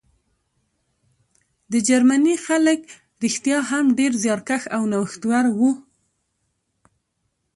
د جرمني خلک رښتیا هم ډېر زیارکښ او نوښتګر وو